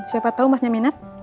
siapa tau masnya minat